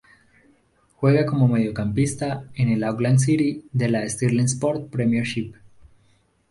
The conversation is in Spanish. Juega como mediocampista en el Auckland City de la Stirling Sports Premiership.